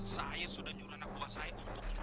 saya sudah nyuruh anak buah saya untuk itu